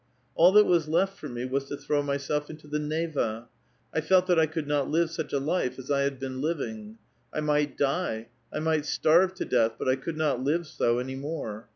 All that was left for me was lo throw mvself into the Neva. 1 felt that I could not live such a life as I had been living ! I might die ; I might starve to death ; but I could not live so any more.